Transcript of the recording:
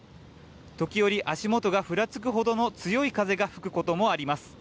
時折、足元がふらつくほどの強い風が吹くこともあります。